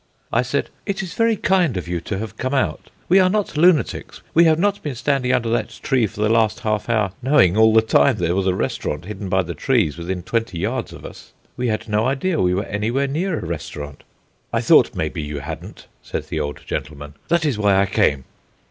I said: "It is very kind of you to have come out. We are not lunatics. We have not been standing under that tree for the last half hour knowing all the time there was a restaurant, hidden by the trees, within twenty yards of us. We had no idea we were anywhere near a restaurant." "I thought maybe you hadn't," said the old gentleman; "that is why I came."